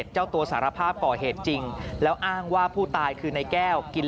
เจ้าตัวสารภาพก่อเหตุจริงแล้วอ้างว่าผู้ตายคือนายแก้วกิน